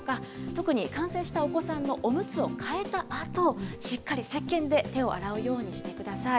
特に感染したお子さんのおむつを替えたあと、しっかりせっけんで手を洗うようにしてください。